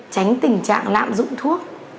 tránh tình trạng lạm dụng thuốc